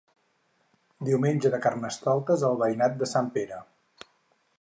Diumenge de Carnestoltes al veïnat de Sant Pere.